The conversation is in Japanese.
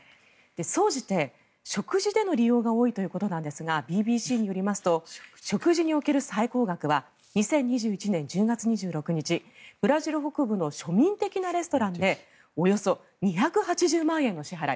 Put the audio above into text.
総じて、食事での利用が多いということですがＢＢＣによりますと食事における最高額は２０２１年１０月２６日ブラジル北部の庶民的なレストランでおよそ２８０万円の支払い。